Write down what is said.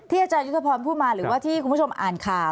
อาจารยุทธพรพูดมาหรือว่าที่คุณผู้ชมอ่านข่าว